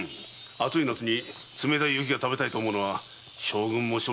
暑いときに冷たい雪を食べたいと思うのは将軍も庶民も同じだ。